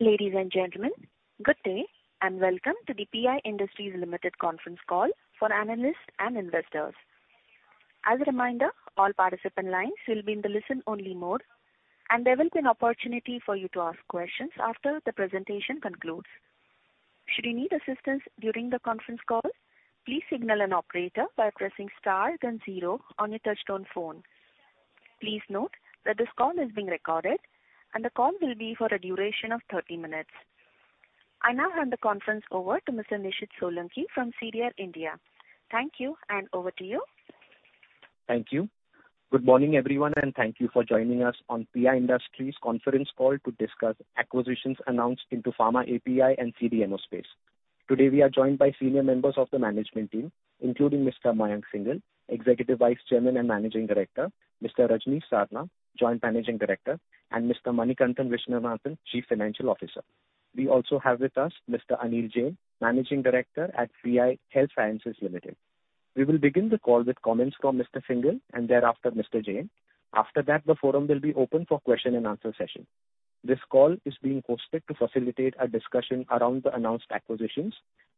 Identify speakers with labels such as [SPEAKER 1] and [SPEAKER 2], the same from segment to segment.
[SPEAKER 1] Ladies and gentlemen, good day. Welcome to the PI Industries Limited conference call for analysts and investors. As a reminder, all participant lines will be in the listen-only mode. There will be an opportunity for you to ask questions after the presentation concludes. Should you need assistance during the conference call, please signal an operator by pressing star then zero on your touchtone phone. Please note that this call is being recorded. The call will be for a duration of 30 minutes. I now hand the conference over to Mr. Nishid Solanki from CDR India. Thank you and over to you.
[SPEAKER 2] Thank you. Good morning, everyone, and thank you for joining us on PI Industries conference call to discuss acquisitions announced into Pharma API and CDMO space. Today, we are joined by senior members of the management team, including Mr. Mayank Singhal, Executive Vice Chairman and Managing Director, Mr. Rajnish Sarna, Joint Managing Director, and Mr. Manikantan Viswanathan, Chief Financial Officer. We also have with us Mr. Anil Jain, Managing Director at PI Health Sciences Limited. We will begin the call with comments from Mr. Singhal and thereafter Mr. Jain. After that, the forum will be open for question and answer session. This call is being hosted to facilitate a discussion around the announced acquisitions.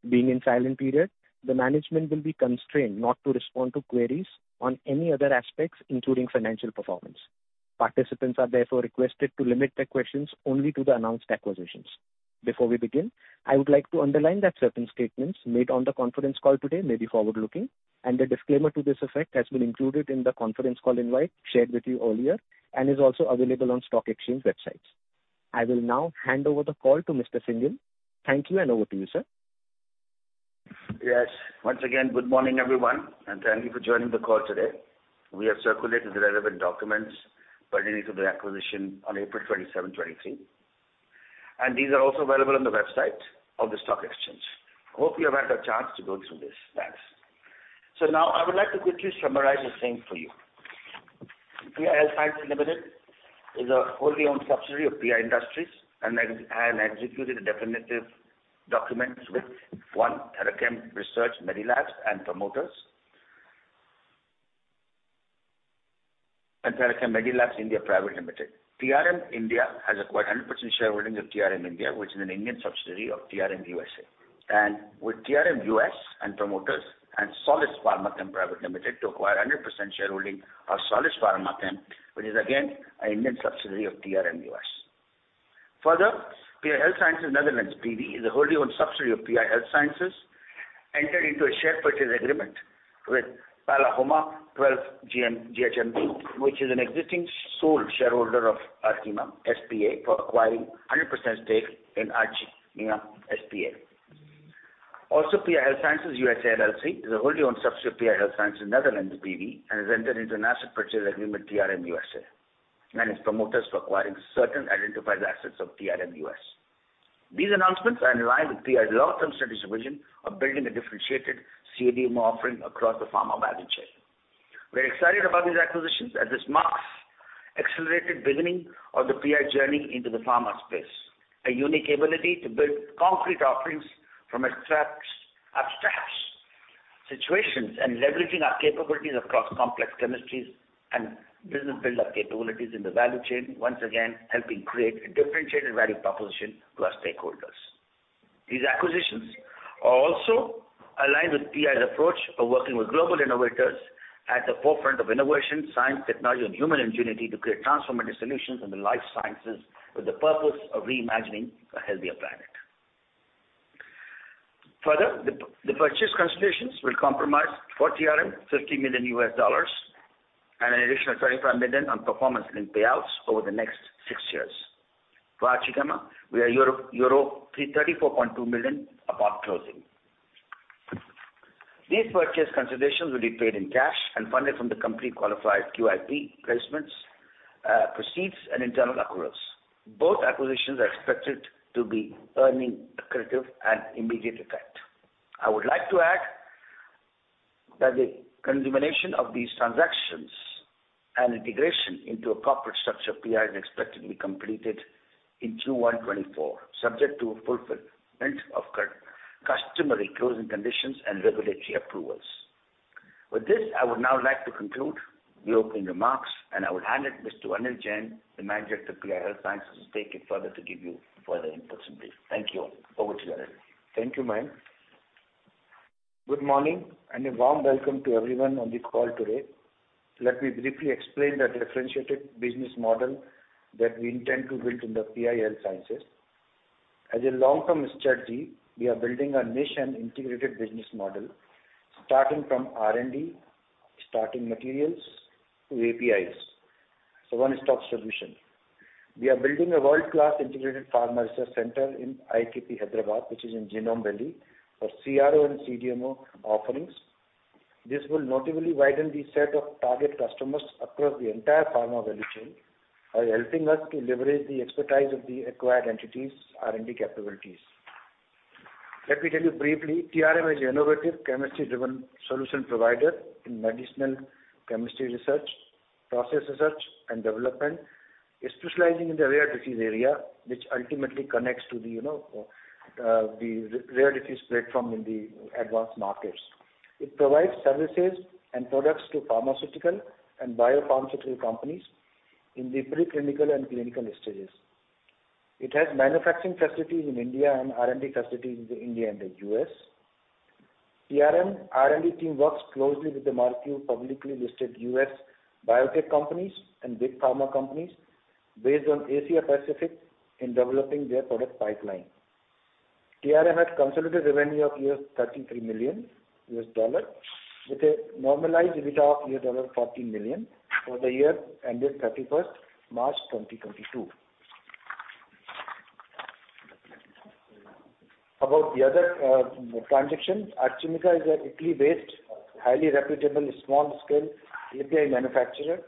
[SPEAKER 2] Being in silent period, the management will be constrained not to respond to queries on any other aspects, including financial performance. Participants are therefore requested to limit their questions only to the announced acquisitions. Before we begin, I would like to underline that certain statements made on the conference call today may be forward-looking, and a disclaimer to this effect has been included in the conference call invite shared with you earlier and is also available on stock exchange websites. I will now hand over the call to Mr. Singhal. Thank you and over to you, sir.
[SPEAKER 3] Yes. Once again, good morning, everyone, thank you for joining the call today. We have circulated the relevant documents pertaining to the acquisition on April 27, 2023, and these are also available on the website of the stock exchange. Hope you have had a chance to go through this. Thanks. Now I would like to quickly summarize the same for you. PI Health Sciences Limited is a wholly owned subsidiary of PI Industries and has executed definitive documents with one Therachem Research Medilab and promoters and Therachem Research Medilab (India) Private Limited. TRM India has acquired 100% shareholding of TRM India, which is an Indian subsidiary of TRM US. With TRM US and promoters and Solis Pharmachem Private Limited to acquire 100% shareholding of Solis Pharmachem, which is again an Indian subsidiary of TRM US. PI Health Sciences Netherlands B.V. is a wholly owned subsidiary of PI Health Sciences, entered into a share purchase agreement with Plahoma Twelve GmbH, which is an existing sole shareholder of Archimica S.p.A. for acquiring 100% stake in Archimica S.p.A. PI Health Sciences USA LLC is a wholly owned subsidiary of PI Health Sciences Netherlands B.V. and has entered into an asset purchase agreement TRM US and its promoters for acquiring certain identified assets of TRM US. These announcements are in line with PI's long-term strategic vision of building a differentiated CDMO offering across the pharma value chain. We're excited about these acquisitions as this marks accelerated beginning of the PI journey into the pharma space, a unique ability to build concrete offerings from abstracts situations and leveraging our capabilities across complex chemistries and business build-up capabilities in the value chain, once again, helping create a differentiated value proposition to our stakeholders. These acquisitions are also aligned with PI's approach of working with global innovators at the forefront of innovation, science, technology and human ingenuity to create transformative solutions in the life sciences with the purpose of reimagining a healthier planet. The purchase considerations will compromise for TRM, $50 million and an additional $25 million on performance-linked payouts over the next six years. For Archimica, we have EUR 34.2 million upon closing. These purchase considerations will be paid in cash and funded from the company qualified QIP placements, proceeds and internal accruals. Both acquisitions are expected to be earning accretive at immediate effect. I would like to add that the consummation of these transactions and integration into a corporate structure PI is expected to be completed in Q1 2024, subject to fulfillment of customary closing conditions and regulatory approvals. With this, I would now like to conclude the opening remarks, and I would hand it to Mr. Anil Jain, the manager of PI Health Sciences, to take it further to give you further inputs and details. Thank you. Over to you, Anil.
[SPEAKER 4] Thank you, Mayank. Good morning and a warm welcome to everyone on the call today. Let me briefly explain the differentiated business model that we intend to build in PI Health Sciences. As a long-term strategy, we are building a niche and integrated business model starting from R&D, starting materials to APIs. One-stop solution. We are building a world-class integrated pharma research center in IKP Hyderabad, which is in Genome Valley, for CRO and CDMO offerings. This will notably widen the set of target customers across the entire pharma value chain by helping us to leverage the expertise of the acquired entities' R&D capabilities. Let me tell you briefly, TRM is innovative chemistry-driven solution provider in medicinal chemistry research, process research and development, specializing in the rare disease area, which ultimately connects to the, you know, rare disease platform in the advanced markets. It provides services and products to pharmaceutical and biopharmaceutical companies in the pre-clinical and clinical stages. It has manufacturing facilities in India and R&D facilities in the India and the U.S. TRM R&D team works closely with the market publicly listed U.S. biotech companies and big pharma companies based on Asia Pacific in developing their product pipeline. TRM had consolidated revenue of $33 million, with a normalized EBITDA of $40 million for the year ended 31st March 2022. About the other transaction, Archimica is a Italy-based, highly reputable small scale API manufacturer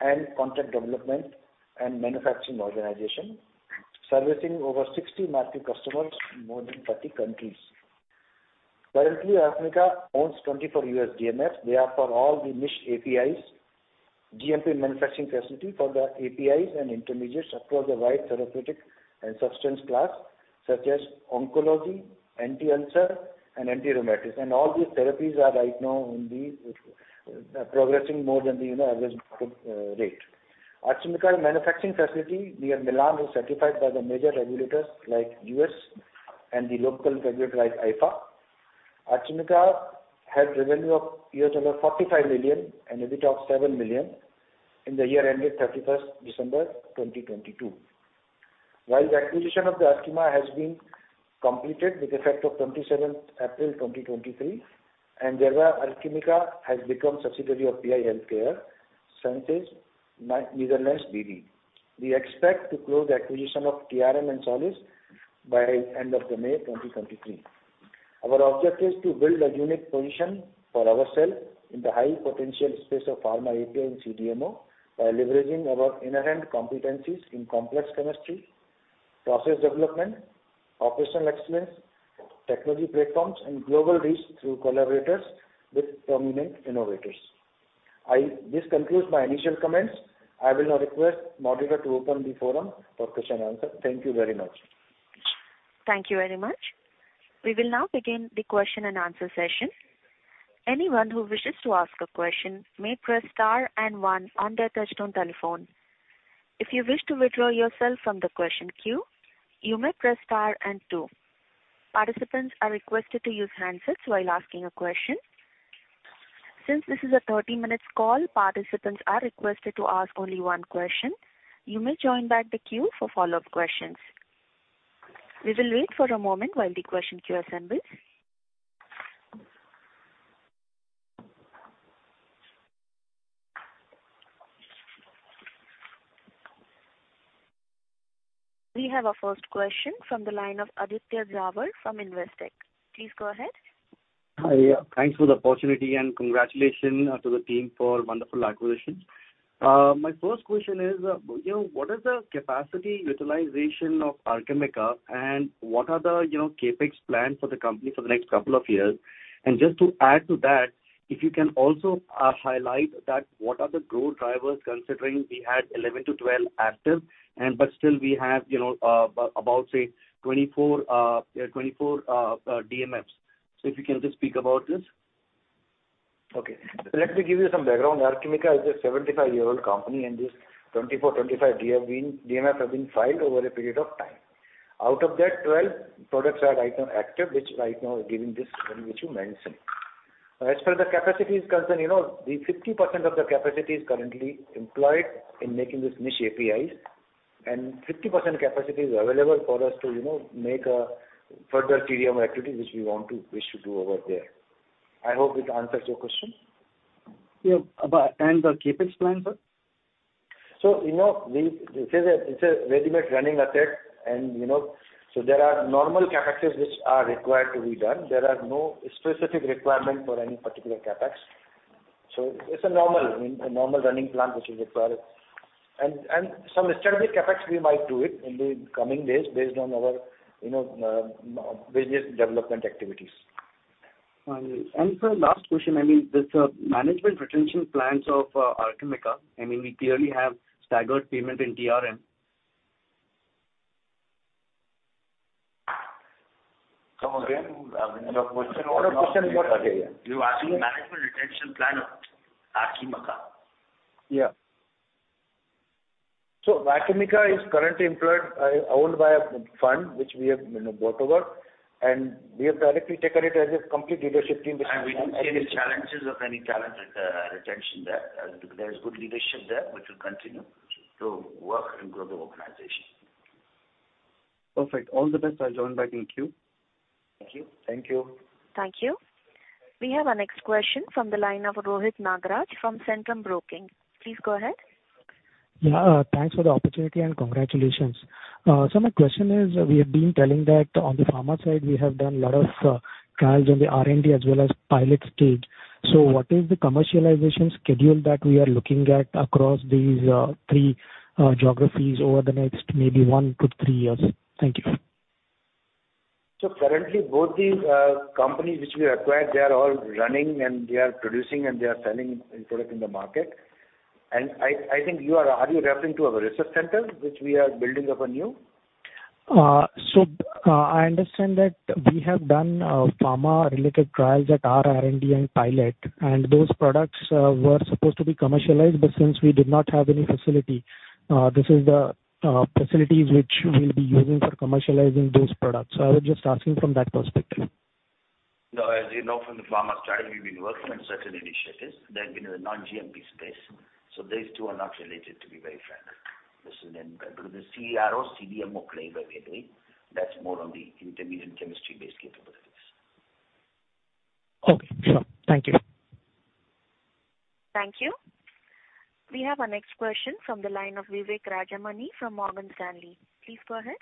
[SPEAKER 4] and contract development and manufacturing organization servicing over 60 market customers in more than 30 countries. Currently, Archimica owns 24 US DMF. They are for all the niche APIs, GMP manufacturing facility for the APIs and intermediates across a wide therapeutic and substance class, such as oncology, anti-ulcer and anti-rheumatics. All these therapies are right now in the progressing more than the, you know, average rate. Archimica's manufacturing facility near Milan is certified by the major regulators like U.S. and the local regulator like AIFA. Archimica had revenue of $45 million and EBITDA of $7 million in the year ended 31st December 2022. While the acquisition of the Archimica has been completed with effect of 27th April 2023, and thereby Archimica has become subsidiary of PI Health Sciences Netherlands B.V. We expect to close the acquisition of TRM and Solis by end of May 2023. Our objective is to build a unique position for ourselves in the high potential space of pharma API and CDMO by leveraging our inherent competencies in complex chemistry, process development, operational excellence, technology platforms and global reach through collaborators with prominent innovators. This concludes my initial comments. I will now request moderator to open the forum for question answer. Thank you very much.
[SPEAKER 1] Thank you very much. We will now begin the question and answer session. Anyone who wishes to ask a question may press star and one on their touchtone telephone. If you wish to withdraw yourself from the question queue, you may press star and two. Participants are requested to use handsets while asking a question. Since this is a 30-minutes call, participants are requested to ask only one question. You may join back the queue for follow-up questions. We will wait for a moment while the question queue assembles. We have our first question from the line of Aditya Jhawar from Investec. Please go ahead.
[SPEAKER 5] Hi. Thanks for the opportunity and congratulations to the team for wonderful acquisition. My first question is, you know, what is the capacity utilization of Archimica and what are the, you know, CapEx plans for the company for the next couple of years? Just to add to that, if you can also highlight that what are the growth drivers considering we had 11-12 active and but still we have, you know, about say 24 DMFs. If you can just speak about this.
[SPEAKER 4] Okay. Let me give you some background. Archimica is a 75-year-old company, and these 24, 25 DMF have been filed over a period of time. Out of that, 12 products are right now active, which right now are giving this revenue which you mentioned. As per the capacity is concerned, you know the 50% of the capacity is currently employed in making these niche APIs and 50% capacity is available for us to, you know, make a further CDMO activity which we want to wish to do over there. I hope this answers your question.
[SPEAKER 5] Yeah. The CapEx plan, sir?
[SPEAKER 4] You know, we it's a regiment running asset and you know so there are normal CapExes which are required to be done. There are no specific requirement for any particular CapEx. It's a normal running plan which is required and some strategic CapEx we might do it in the coming days based on our, you know, various development activities.
[SPEAKER 5] Sir, last question. I mean this, management retention plans of Archimica? I mean, we clearly have staggered payment in TRM.
[SPEAKER 4] Come again. I mean, your question was not.
[SPEAKER 3] Your question was what, Aditya?
[SPEAKER 4] You're asking management retention plan of Archimica.
[SPEAKER 5] Yeah.
[SPEAKER 4] Archimica is currently employed, owned by a fund which we have, you know, bought over, and we have directly taken it as a complete leadership team.
[SPEAKER 3] we don't see any challenges of any talent retention there. There is good leadership there which will continue to work and grow the organization.
[SPEAKER 5] Perfect. All the best. I'll join back in queue.
[SPEAKER 3] Thank you.
[SPEAKER 4] Thank you.
[SPEAKER 1] Thank you. We have our next question from the line of Rohit Nagraj from Centrum Broking. Please go ahead.
[SPEAKER 6] Thanks for the opportunity and congratulations. My question is, we have been telling that on the pharma side we have done lot of trials on the R&D as well as pilot stage. What is the commercialization schedule that we are looking at across these three geographies over the next maybe one to three years? Thank you.
[SPEAKER 4] Currently both these companies which we acquired, they are all running and they are producing and they are selling product in the market. Are you referring to our research center which we are building up anew?
[SPEAKER 7] I understand that we have done pharma related trials at our R&D and pilot, and those products were supposed to be commercialized, but since we did not have any facility, this is the facilities which we'll be using for commercializing those products. I was just asking from that perspective.
[SPEAKER 3] No, as you know from the pharma side, we've been working on certain initiatives. They've been in the non-GMP space. These two are not related, to be very frank. With the CRO/CDMO play that we are doing, that's more on the intermediate chemistry-based capabilities.
[SPEAKER 6] Okay, sure. Thank you.
[SPEAKER 1] Thank you. We have our next question from the line of Vivek Rajamani from Morgan Stanley. Please go ahead.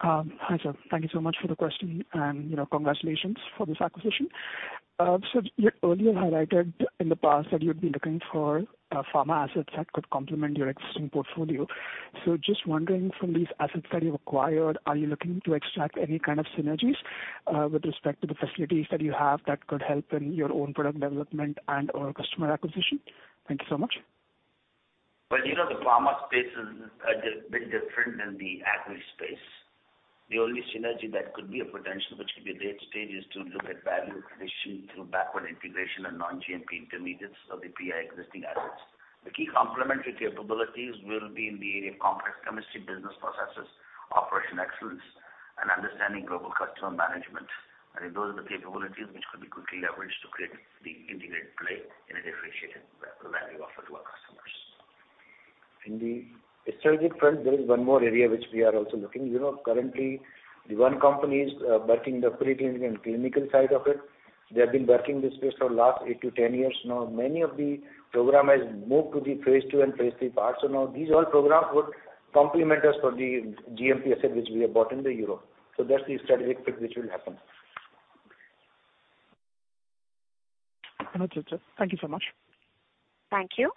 [SPEAKER 8] Hi, sir. Thank you so much for the question and, you know, congratulations for this acquisition. You earlier highlighted in the past that you'd be looking for pharma assets that could complement your existing portfolio. Just wondering from these assets that you've acquired, are you looking to extract any kind of synergies with respect to the facilities that you have that could help in your own product development and/or customer acquisition? Thank you so much.
[SPEAKER 3] Well, you know, the pharma space is a bit different than the agri space. The only synergy that could be a potential, which could be late stage, is to look at value addition through backward integration and non-GMP intermediates of the PI existing assets. The key complementary capabilities will be in the area of complex chemistry, business processes, operation excellence, and understanding global customer management. Those are the capabilities which could be quickly leveraged to create the integrated play in a differentiated value offer to our customers.
[SPEAKER 4] In the strategic front, there is one more area which we are also looking. You know, currently the one company is working the preclinical and clinical side of it. They have been working this space for last eight to 10 years now. Many of the program has moved to the phase II and phase III parts. Now these all programs would complement us for the GMP asset which we have bought in the Europe. That's the strategic fit which will happen.
[SPEAKER 8] Got you, sir. Thank you so much.
[SPEAKER 1] Thank you.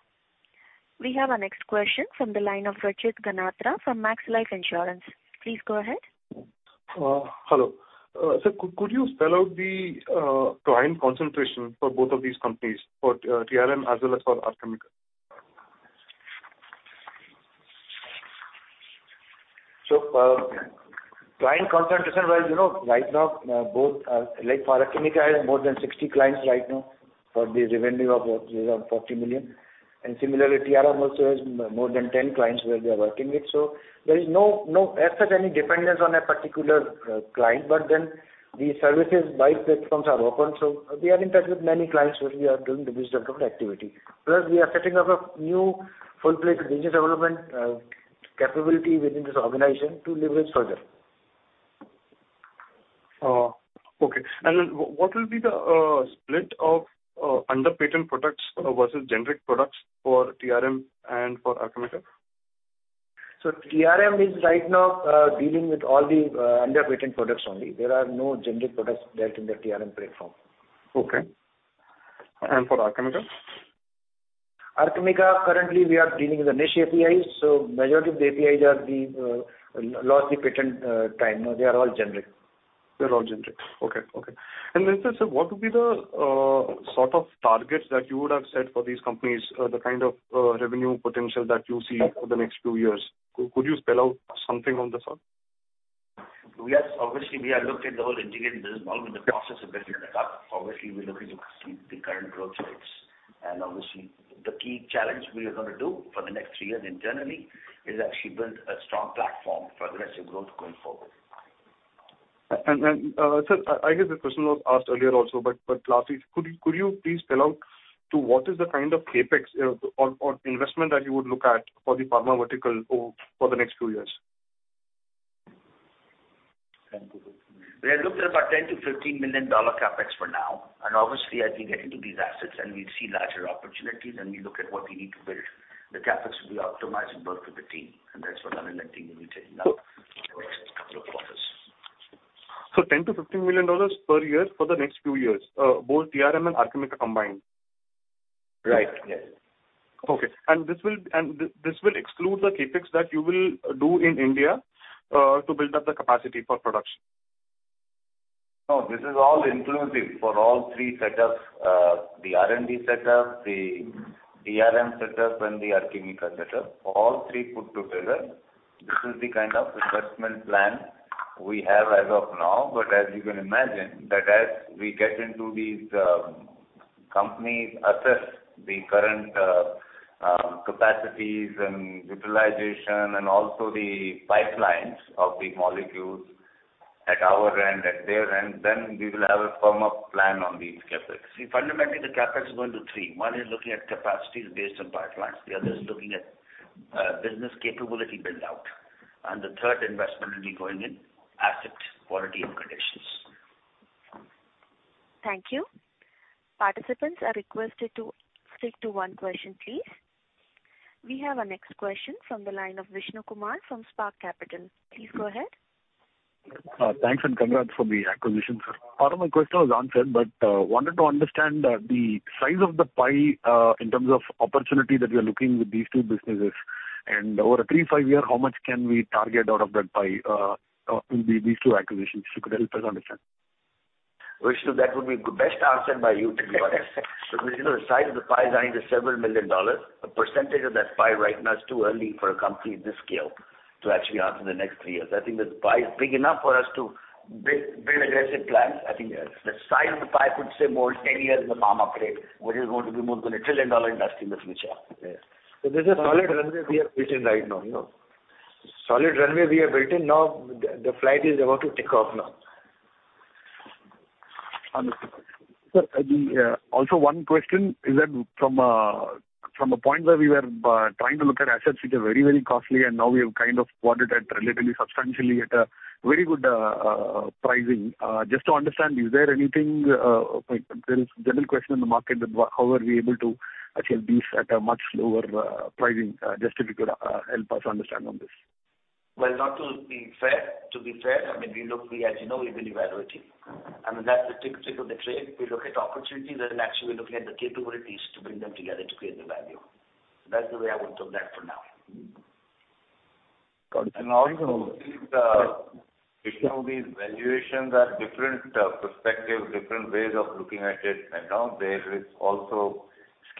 [SPEAKER 1] We have our next question from the line of Rachit Ganatra from Max Life Insurance. Please go ahead.
[SPEAKER 9] Hello. Sir, could you spell out the client concentration for both of these companies, for TRM as well as for Archimica?
[SPEAKER 4] Client concentration, well, you know, right now, both, like for Archimica has more than 60 clients right now for the revenue of 40 million. Similarly, TRM also has more than 10 clients where they are working with. There is no as such any dependence on a particular client. The services by platforms are open, we are in touch with many clients where we are doing the business development activity. Plus, we are setting up a new full-fledged business development capability within this organization to leverage further.
[SPEAKER 9] Okay. Then what will be the split of under patent products versus generic products for TRM and for Archimica?
[SPEAKER 4] TRM is right now dealing with all the under patent products only. There are no generic products there in the TRM platform.
[SPEAKER 9] Okay. For Archimica?
[SPEAKER 4] Archimica, currently we are dealing with the niche APIs. majority of the APIs are the lost the patent time. They are all generic.
[SPEAKER 9] They're all generic. Okay. Okay. Sir, what would be the sort of targets that you would have set for these companies? The kind of revenue potential that you see for the next few years. Could you spell out something on the same?
[SPEAKER 3] Obviously, we are looking at the whole integrated business model in the process of building it up. Obviously, we're looking to exceed the current growth rates. Obviously, the key challenge we are gonna do for the next three years internally is actually build a strong platform for aggressive growth going forward.
[SPEAKER 9] Sir, I guess this question was asked earlier also, but lastly, could you please spell out to what is the kind of CapEx or investment that you would look at for the pharma vertical for the next few years?
[SPEAKER 3] We are looking at about $10 million-$15 million CapEx for now. Obviously, as we get into these assets and we see larger opportunities, and we look at what we need to build, the CapEx will be optimized in both of the team, and that's what Anand and team will be taking up in the next couple of quarters.
[SPEAKER 9] $10 million-$15 million per year for the next few years, both TRM and Archimica combined?
[SPEAKER 3] Right. Yes.
[SPEAKER 9] Okay. This will exclude the CapEx that you will do in India to build up the capacity for production?
[SPEAKER 3] This is all inclusive for all three setups. The R&D setup, the TRM setup, and the Archimica setup. All three put together, this is the kind of investment plan we have as of now. As you can imagine, that as we get into these companies, assess the current capacities and utilization and also the pipelines of the molecules at our end, at their end, then we will have a firm up plan on these CapEx.
[SPEAKER 4] See, fundamentally, the CapEx is going to three. One is looking at capacities based on pipelines, the other is looking at, business capability build out, and the third investment will be going in asset quality and conditions.
[SPEAKER 1] Thank you. Participants are requested to stick to one question, please. We have our next question from the line of Vishnu Kumar from Spark Capital. Please go ahead.
[SPEAKER 7] Thanks and congrats for the acquisition, sir. Part of my question was answered, but wanted to understand the size of the pie in terms of opportunity that you're looking with these two businesses. Over a three, five year, how much can we target out of that pie in these two acquisitions, if you could help us understand?
[SPEAKER 3] Vishnu, that would be best answered by you to be honest. You know, the size of the pie is I think $several million. The percentage of that pie right now is too early for a company of this scale to actually answer in the next three years. I think the pie is big enough for us to build aggressive plans. I think the size of the pie could say more 10 years in the pharma play, which is going to be more than a one trillion dollar industry in the future.
[SPEAKER 4] Yes.
[SPEAKER 3] This is a solid runway we are building right now, you know. Solid runway we have built, and now the flight is about to take off now.
[SPEAKER 10] Understood. Sir, the also one question is that from from a point where we were trying to look at assets which are very, very costly and now we have kind of bought it at relatively substantially at a very good pricing. Just to understand, is there anything like there is general question in the market that how are we able to actually do this at a much lower pricing? Just if you could help us understand on this.
[SPEAKER 3] Well, not to be fair, I mean, we look, we as you know, we believe evaluating. I mean, that's the tick of the trade. We look at opportunities and actually we're looking at the capabilities to bring them together to create the value. That's the way I would put that for now.
[SPEAKER 10] Got it.
[SPEAKER 3] Vishnu, these valuations are different perspective, different ways of looking at it. There is also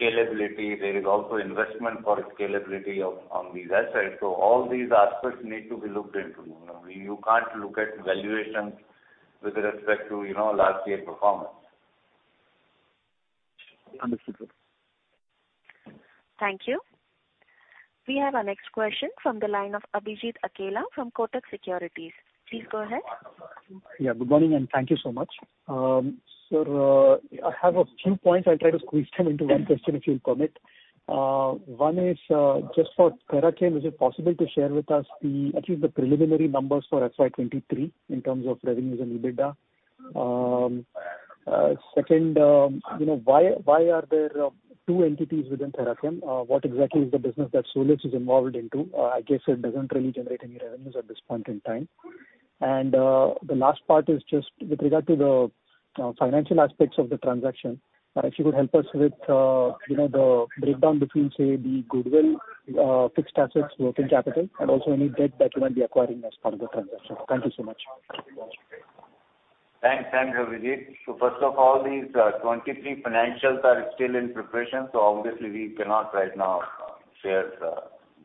[SPEAKER 3] scalability, there is also investment for scalability of, on these assets. All these aspects need to be looked into. You know, you can't look at valuations with respect to, you know, last year performance.
[SPEAKER 7] Understood.
[SPEAKER 1] Thank you. We have our next question from the line of Abhijit Akella from Kotak Securities. Please go ahead.
[SPEAKER 11] Yeah, good morning, and thank you so much. I have a few points. I'll try to squeeze them into one question, if you'll permit. One is, just for Therachem, is it possible to share with us the, at least the preliminary numbers for FY 2023 in terms of revenues and EBITDA? Second, you know, why are there two entities within Therachem? What exactly is the business that Solis is involved into? I guess it doesn't really generate any revenues at this point in time. The last part is just with regard to the financial aspects of the transaction, if you could help us with, you know, the breakdown between, say, the goodwill, fixed assets, working capital, and also any debt that you might be acquiring as part of the transaction. Thank you so much.
[SPEAKER 3] Thanks. Thanks, Abhijit. First of all these, 2023 financials are still in preparation, so obviously we cannot right now share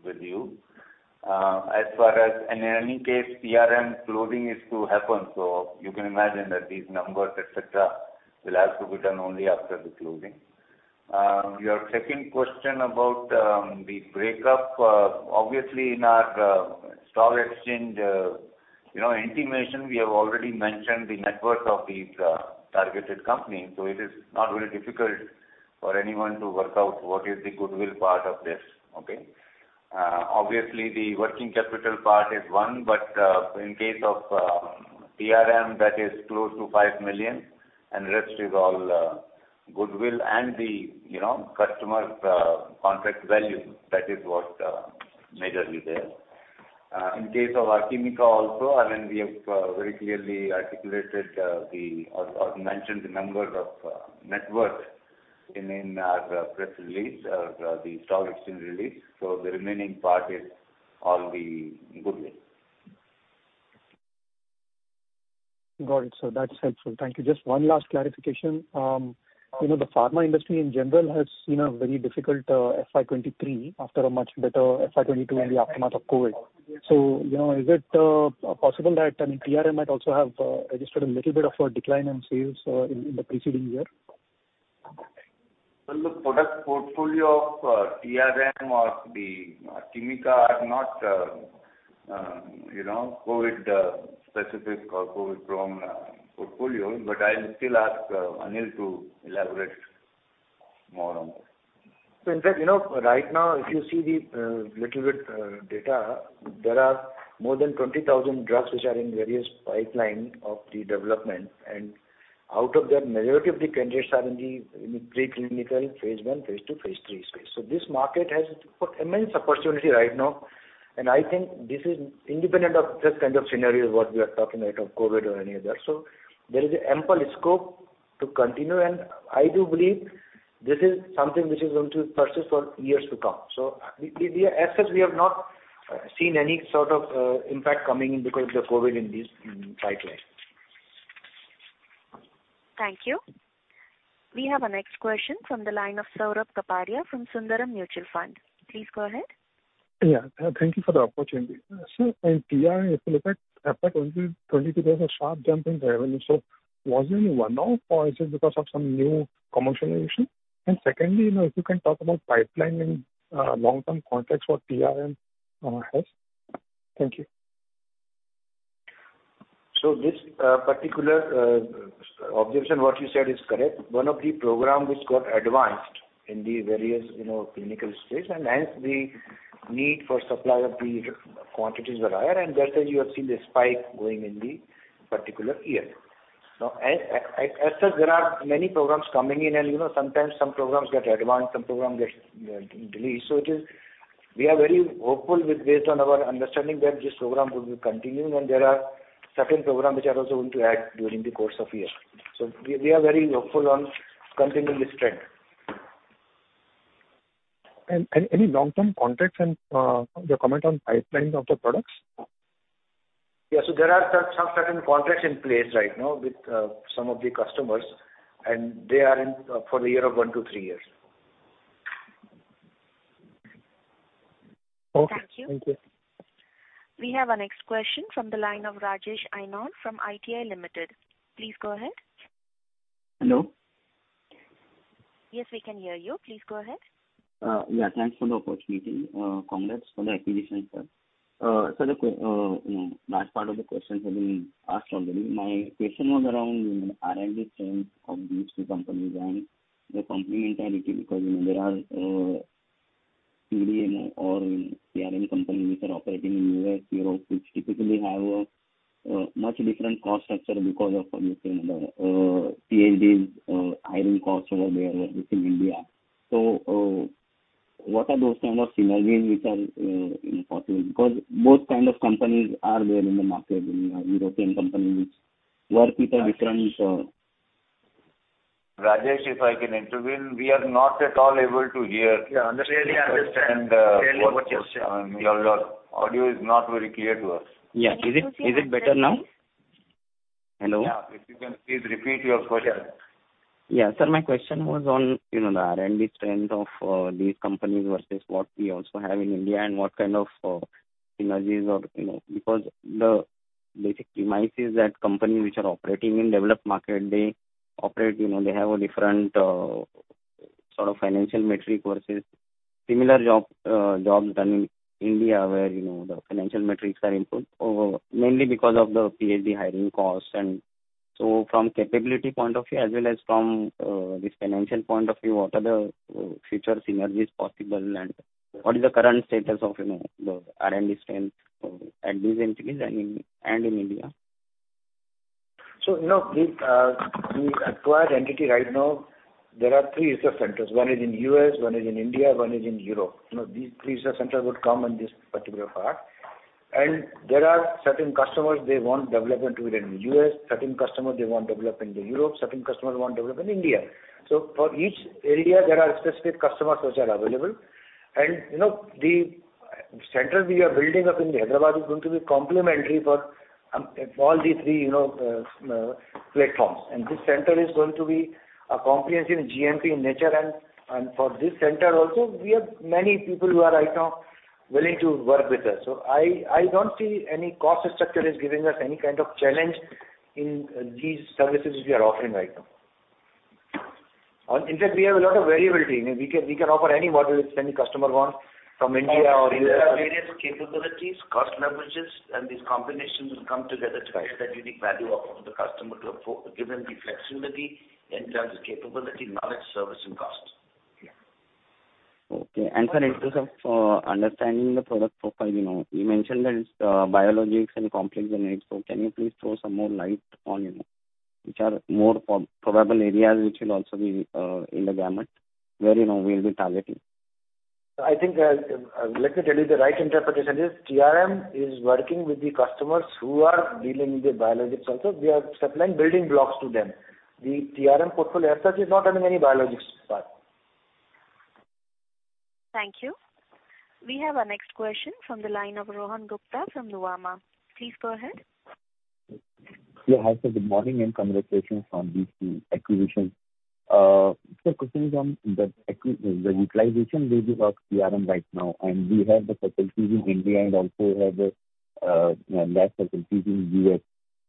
[SPEAKER 3] with you. As far as in any case, TRM closing is to happen, so you can imagine that these numbers, et cetera, will have to be done only after the closing. Your second question about the break up, obviously in our stock exchange, you know, intimation, we have already mentioned the networks of these targeted companies. It is not very difficult for anyone to work out what is the goodwill part of this. Okay? The working capital part is one, but in case of TRM, that is close to $5 million, and rest is all goodwill and the, you know, customer's contract value. That is what majorly there. In case of Archimica also, we have very clearly articulated or mentioned the numbers of network in in our press release or the stock exchange release. The remaining part is all the goodwill.
[SPEAKER 11] Got it, sir. That's helpful. Thank you. Just one last clarification. you know, the pharma industry in general has seen a very difficult, FY 2023 after a much better FY 2022 in the aftermath of COVID. you know, is it possible that, I mean, TRM might also have, registered a little bit of a decline in sales, in the preceding year?
[SPEAKER 3] The product portfolio of TRM or the Archimica are not, you know, COVID specific or COVID-prone portfolio. I'll still ask Anil to elaborate more on this.
[SPEAKER 4] In fact, you know, right now if you see the little bit data, there are more than 20,000 drugs which are in various pipeline of the development. Out of that, majority of the candidates are in the pre-clinical phase I, phase II, phase III space. This market has immense opportunity right now, and I think this is independent of just kind of scenario what we are talking right of COVID or any other. There is ample scope to continue, and I do believe this is something which is going to persist for years to come. We, we as such, we have not seen any sort of impact coming in because of the COVID in these pipelines.
[SPEAKER 1] Thank you. We have our next question from the line of Saurabh Kapadia from Sundaram Mutual Fund. Please go ahead.
[SPEAKER 12] Yeah. Thank you for the opportunity. Sir, in TRM, if you look at FY 2022, there was a sharp jump in revenue. Was it a one-off or is it because of some new commercialization? Secondly, you know, if you can talk about pipeline in long-term context for TRM, has. Thank you.
[SPEAKER 3] This particular observation, what you said is correct. One of the program which got advanced in the various, you know, clinical space, and hence the need for supply of the quantities were higher. That's why you have seen the spike going in the particular year. As such, there are many programs coming in and, you know, sometimes some programs get advanced, some programs get delayed. We are very hopeful with based on our understanding that this program will be continuing, and there are certain programs which are also going to add during the course of year. We are very hopeful on continuing this trend.
[SPEAKER 12] Any long-term contracts and, your comment on pipeline of the products.
[SPEAKER 4] There are certain contracts in place right now with some of the customers, and they are in for the year of one to three years.
[SPEAKER 12] Okay.
[SPEAKER 1] Thank you.
[SPEAKER 12] Thank you.
[SPEAKER 1] We have our next question from the line of Rajesh Ainod from ITI Limited. Please go ahead.
[SPEAKER 13] Hello.
[SPEAKER 1] Yes, we can hear you. Please go ahead.
[SPEAKER 13] Yeah, thanks for the opportunity. Congrats for the acquisition, sir. The, you know, last part of the question has been asked already. My question was around, you know, R&D strength of these two companies and their complementarity, because, you know, there are CDMO or CRO companies which are operating in U.S., Europe, which typically have a much different cost structure because of, you know, the PhDs, hiring costs over there versus India. What are those kind of synergies which are, you know, possible? Because both kind of companies are there in the market, you know, European companies work with a different.
[SPEAKER 4] Rajesh, if I can intervene, we are not at all able to hear.
[SPEAKER 13] Yeah, understand.
[SPEAKER 4] Really understand what you're saying. Your, your audio is not very clear to us.
[SPEAKER 13] Yeah. Is it better now? Hello?
[SPEAKER 4] Yeah. If you can please repeat your question.
[SPEAKER 13] Yeah. Sir, my question was on, you know, the R&D strength of these companies versus what we also have in India and what kind of synergies or, you know, because the basic premise is that companies which are operating in developed market, they operate, you know, they have a different sort of financial metric versus similar job, jobs done in India where, you know, the financial metrics are improved mainly because of the PhD hiring costs. From capability point of view as well as from this financial point of view, what are the future synergies possible, and what is the current status of, you know, the R&D strength of, at these entities and in, and in India?
[SPEAKER 4] You know, with the acquired entity right now, there are three user centers. one is in U.S., on is in India, one is in Europe. You know, these three user centers would come in this particular part. There are certain customers, they want development within U.S., certain customers, they want development in Europe, certain customers want development in India. For each area there are specific customers which are available. You know, the center we are building up in Hyderabad is going to be complementary for all the three, you know, platforms. This center is going to be a comprehensive GMP in nature and for this center also we have many people who are right now willing to work with us. I don't see any cost structure is giving us any kind of challenge in these services we are offering right now. In fact, we have a lot of variability. We can offer any model which any customer wants from India or U.S. We have various capabilities, cost leverages, and these combinations will come together to create that unique value offer to the customer to afford, give them the flexibility in terms of capability, knowledge, service, and cost.
[SPEAKER 13] Yeah. Okay. Sir, in terms of understanding the product profile, you know, you mentioned that it's biologics and complex genetics. Can you please throw some more light on, you know, which are more probable areas which will also be in the gamut where, you know, we'll be targeting?
[SPEAKER 4] I think, let me tell you the right interpretation is TRM is working with the customers who are dealing with the biologics also. We are supplying building blocks to them. The TRM portfolio as such is not having any biologics part.
[SPEAKER 1] Thank you. We have our next question from the line of Rohan Gupta from Nuvama. Please go ahead.
[SPEAKER 14] Yeah. Hi, sir. Good morning, and congratulations on these two acquisitions. Question is on the utilization basis of TRM right now, and we have the facilities in India and also have lab facilities in U.S.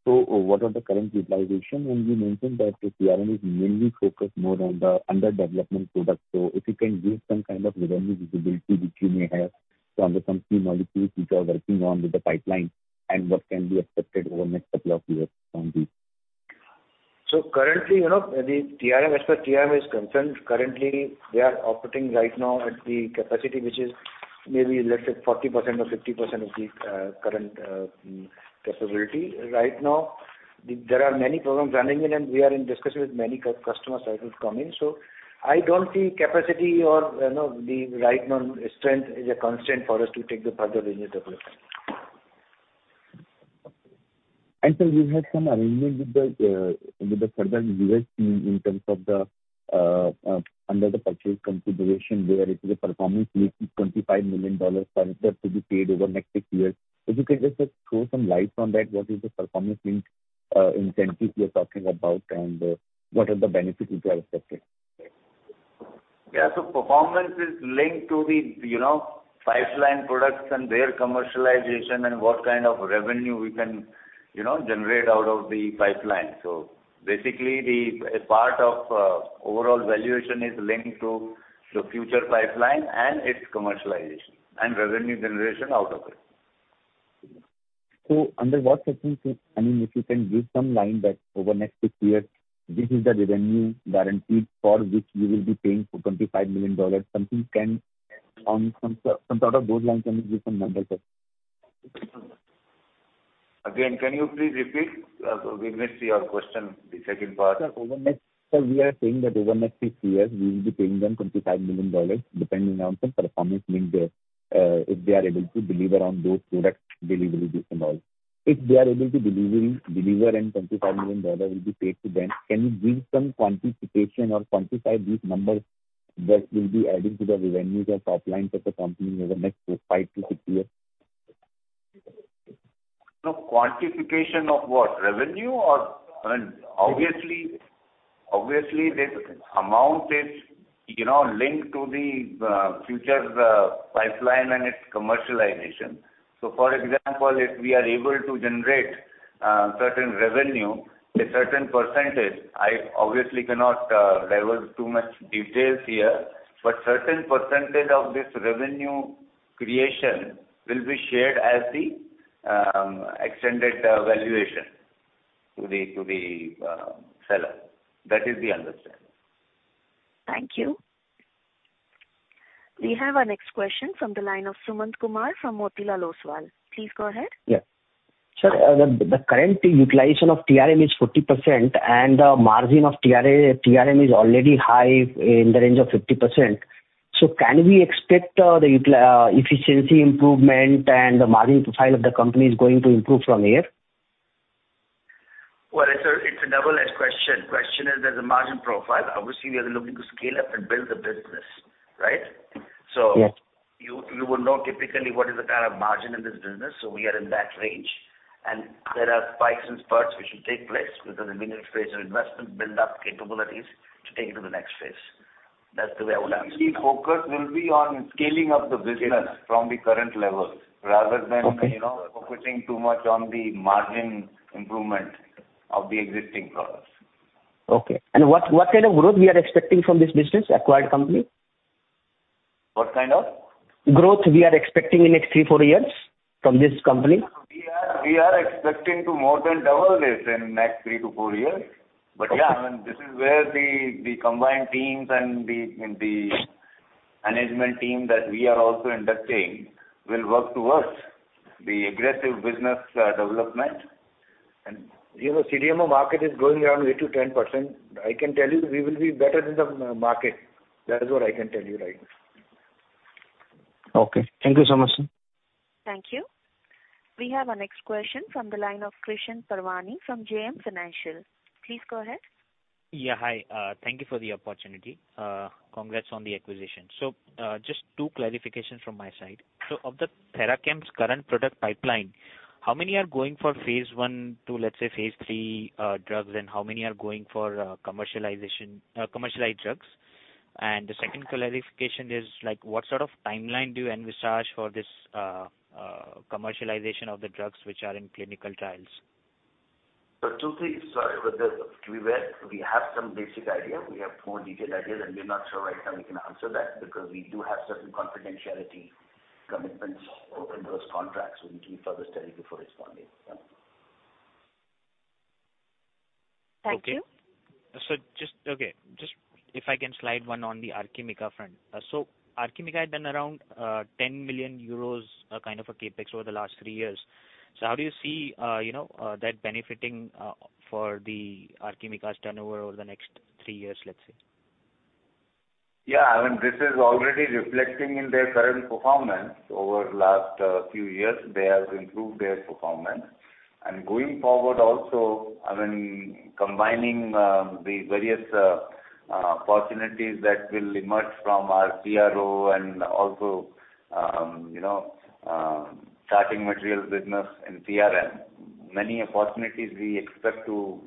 [SPEAKER 14] What are the current utilization? You mentioned that the TRM is mainly focused more on the under development products. If you can give some kind of revenue visibility which you may have. Under some key molecules which you are working on with the pipeline, and what can be expected over next couple of years from these?
[SPEAKER 4] Currently, you know, the TRM, as far TRM is concerned, currently we are operating right now at the capacity which is maybe, let's say, 40% or 50% of the current capability. Right now, there are many programs running in, and we are in discussion with many customers that will come in. I don't see capacity or, you know, the right now strength is a constraint for us to take the further business development.
[SPEAKER 14] Sir, you have some arrangement with the current TRM US team in terms of the under the purchase consideration, where it is a performance-linked $25 million payment has to be paid over next six years. If you can just throw some light on that, what is the performance-linked incentives you're talking about and what are the benefits which are expected?
[SPEAKER 4] Yeah. Performance is linked to the, you know, pipeline products and their commercialization and what kind of revenue we can, you know, generate out of the pipeline. Basically the, a part of, overall valuation is linked to the future pipeline and its commercialization and revenue generation out of it.
[SPEAKER 14] Under what circumstances, I mean, if you can give some line that over next six years this is the revenue guaranteed for which you will be paying for $25 million, something can, on some sort of those lines, can you give some numbers, sir?
[SPEAKER 4] Again, can you please repeat? We missed your question, the second part.
[SPEAKER 14] Sir, we are saying that over next six years we will be paying them $25 million depending on the performance, means, if they are able to deliver on those products deliverables and all.
[SPEAKER 15] If they are able to deliver and $25 million will be paid to them, can you bring some quantification or quantify these numbers that will be adding to the revenues or top line for the company over the next five to six years?
[SPEAKER 3] No quantification of what? Revenue or... I mean, obviously this amount is, you know, linked to the future pipeline and its commercialization. For example, if we are able to generate certain revenue, a certain percentage, I obviously cannot divulge too much details here, but certain percentage of this revenue creation will be shared as the extended valuation to the seller. That is the understanding.
[SPEAKER 1] Thank you. We have our next question from the line of Sumant Kumar from Motilal Oswal. Please go ahead.
[SPEAKER 15] Yeah. Sir, the current utilization of TRM is 40% and the margin of TRM is already high in the range of 50%. Can we expect efficiency improvement and the margin profile of the company is going to improve from here?
[SPEAKER 3] Well, it's a double-edged question. Question is, there's a margin profile. Obviously we are looking to scale up and build the business, right?
[SPEAKER 15] Yes.
[SPEAKER 3] you would know typically what is the kind of margin in this business, we are in that range. There are spikes and spurts which will take place because in the initial phase of investment build up capabilities to take it to the next phase. That's the way I would answer.
[SPEAKER 16] The focus will be on scaling up the business from the current levels rather than-
[SPEAKER 15] Okay.
[SPEAKER 3] You know, focusing too much on the margin improvement of the existing products.
[SPEAKER 15] Okay. What kind of growth we are expecting from this business acquired company?
[SPEAKER 3] What kind of?
[SPEAKER 15] Growth we are expecting in next three, four years from this company.
[SPEAKER 3] We are expecting to more than double this in next three to four years. Yeah, I mean, this is where the combined teams and the management team that we are also inducting will work towards the aggressive business development. You know, CDMO market is growing around 8% to 10%. I can tell you we will be better than the market. That is what I can tell you right now.
[SPEAKER 15] Okay. Thank you so much, sir.
[SPEAKER 1] Thank you. We have our next question from the line of Krishan Parwani from JM Financial. Please go ahead.
[SPEAKER 16] Yeah. Hi, thank you for the opportunity. Congrats on the acquisition. Just two clarifications from my side. Of the Therachem's current product pipeline, how many are going for phase one to, let's say, phase three, drugs, and how many are going for, commercialization, commercialized drugs? The second clarification is like, what sort of timeline do you envisage for this, commercialization of the drugs which are in clinical trials?
[SPEAKER 3] Two things. Sorry for the. We have some basic idea. We have more detailed ideas, and we're not sure right now we can answer that because we do have certain confidentiality commitments or in those contracts, we need to further study before responding. Yeah.
[SPEAKER 1] Thank you.
[SPEAKER 16] Just if I can slide one on the Archimica front. Archimica had been around 10 million euros, kind of a CapEx over the last three years. How do you see, you know, that benefiting for the Archimica's turnover over the next three years, let's say?
[SPEAKER 3] Yeah. I mean, this is already reflecting in their current performance. Over last few years, they have improved their performance. Going forward also, I mean, combining the various opportunities that will emerge from our CRO and also, you know, starting materials business in CRO. Many opportunities we expect to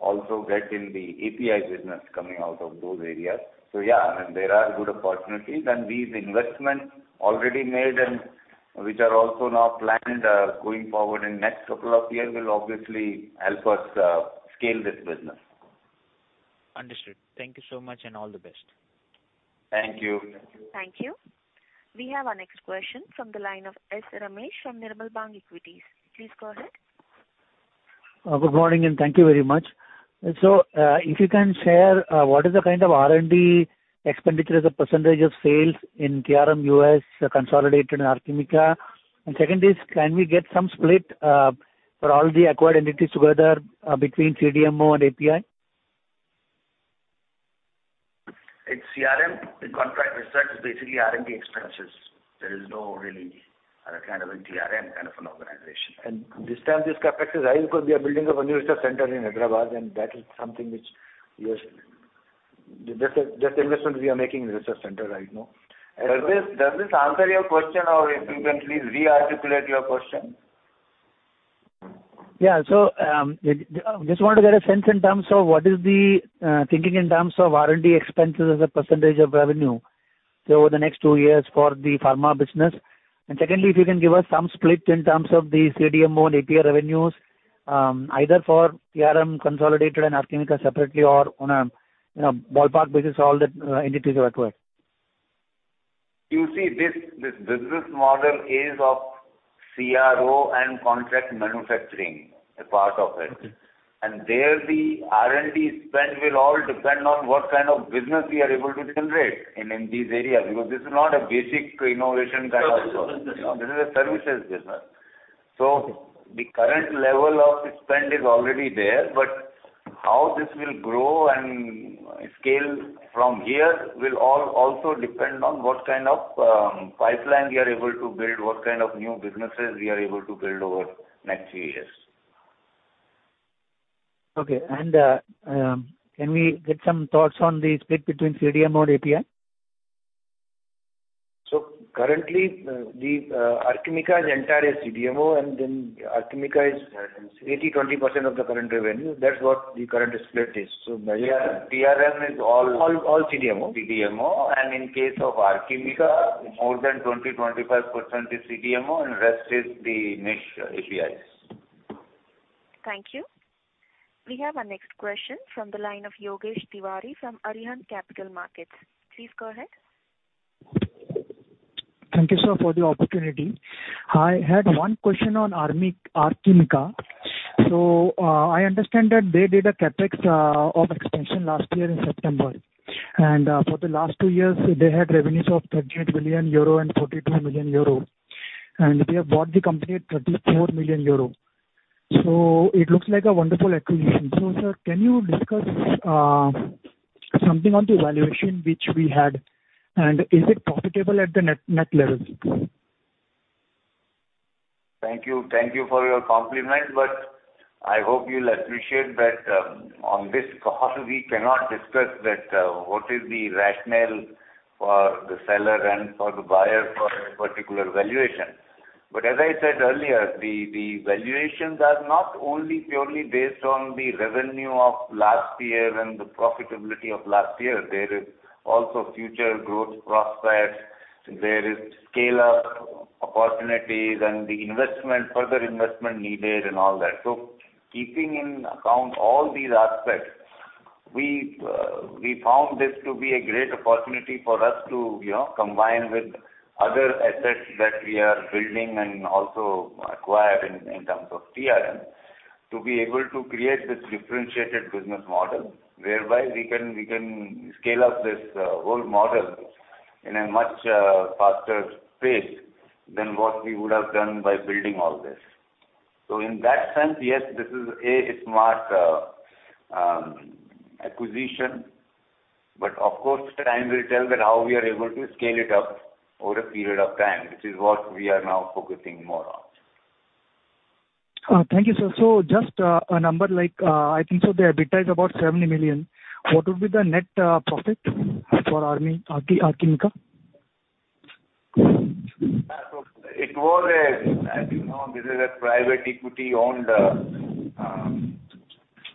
[SPEAKER 3] also get in the API business coming out of those areas. Yeah, I mean, there are good opportunities and these investments already made and which are also now planned going forward in next couple of years will obviously help us scale this business.
[SPEAKER 16] Understood. Thank you so much, and all the best.
[SPEAKER 3] Thank you.
[SPEAKER 1] Thank you. We have our next question from the line of S Ramesh from Nirmal Bang Equities. Please go ahead.
[SPEAKER 15] Good morning. Thank you very much. If you can share, what is the kind of R&D expenditure as a % of sales in TRM US consolidated in Archimica? Second is, can we get some split for all the acquired entities together between CDMO and API?
[SPEAKER 3] In CRO, the contract research is basically R&D expenses. There is no really other kind of a TRM kind of an organization.
[SPEAKER 15] This time this CapEx is high because we are building up a new research center in Hyderabad, and that is something just investment we are making in research center right now.
[SPEAKER 3] Does this answer your question, or if you can please re-articulate your question?
[SPEAKER 15] Just wanted to get a sense in terms of what is the thinking in terms of R&D expenses as a % of revenue, say, over the next two years for the pharma business. Secondly, if you can give us some split in terms of the CDMO and API revenues, either for CRO consolidated and Archimica separately or on a, you know, ballpark basis, all the entities put together.
[SPEAKER 3] You see this business model is of CRO and contract manufacturing, a part of it.
[SPEAKER 15] Mm-hmm.
[SPEAKER 3] There the R&D spend will all depend on what kind of business we are able to generate in these areas because this is not a basic innovation kind of business. You know, this is a services business. The current level of spend is already there. How this will grow and scale from here will also depend on what kind of pipeline we are able to build, what kind of new businesses we are able to build over next three years.
[SPEAKER 15] Okay. can we get some thoughts on the split between CDMO and API?
[SPEAKER 3] currently, Archimica's entire is CDMO, and then Archimica is 80%, 20% of the current revenue. That's what the current split is.
[SPEAKER 15] All CDMO.
[SPEAKER 3] CDMO. In case of Archimica, more than 20%-25% is CDMO and rest is the niche APIs.
[SPEAKER 1] Thank you. We have our next question from the line of Yogesh Tiwari from Arihant Capital Markets. Please go ahead.
[SPEAKER 17] Thank you, sir, for the opportunity. I had one question on Archimica. I understand that they did a CapEx of expansion last year in September. For the last two years, they had revenues of 38 million euro and 42 million euro. They have bought the company at 34 million euro. It looks like a wonderful acquisition. Sir, can you discuss something on the valuation which we had? Is it profitable at the net level?
[SPEAKER 3] Thank you. I hope you'll appreciate that, on this call we cannot discuss that, what is the rationale for the seller and for the buyer for a particular valuation. As I said earlier, the valuations are not only purely based on the revenue of last year and the profitability of last year. There is also future growth prospects, there is scale-up opportunities and the investment, further investment needed and all that. Keeping in account all these aspects, we found this to be a great opportunity for us to, you know, combine with other assets that we are building and also acquire in terms of TRM, to be able to create this differentiated business model, whereby we can scale up this whole model in a much faster pace than what we would have done by building all this. In that sense, yes, this is, A, a smart acquisition, but of course, time will tell that how we are able to scale it up over a period of time, which is what we are now focusing more on.
[SPEAKER 17] Thank you, sir. Just a number like, I think so the EBITDA is about 70 million. What would be the net profit for Archimica?
[SPEAKER 3] As you know, this is a private equity-owned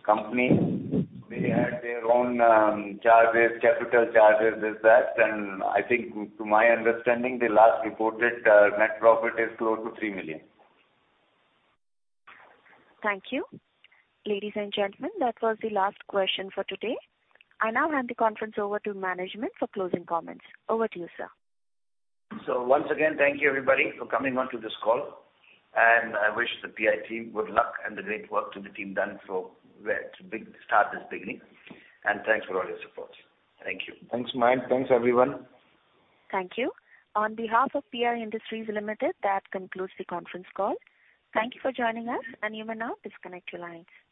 [SPEAKER 3] company. They had their own charges, capital charges, this, that. I think to my understanding, the last reported net profit is close to $3 million.
[SPEAKER 1] Thank you. Ladies and gentlemen, that was the last question for today. I now hand the conference over to management for closing comments. Over to you, sir.
[SPEAKER 3] Once again, thank you everybody for coming on to this call, and I wish the PI team good luck and the great work to the team done so well to start this beginning. Thanks for all your support. Thank you.
[SPEAKER 15] Thanks, Mayank. Thanks, everyone.
[SPEAKER 1] Thank you. On behalf of PI Industries Limited, that concludes the conference call. Thank you for joining us, and you may now disconnect your lines.